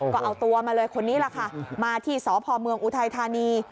ก็เอาตัวมาเลยคนนี้แหละค่ะมาที่สพเมืองอุทัยธานี